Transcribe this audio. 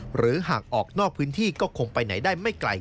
หรือหากออกนอกพื้นที่ก็คงไปไหนได้ไม่ไกล